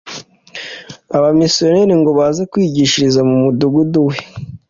Abamisiyonari ngo baze kwigishiriza mu mudugudu we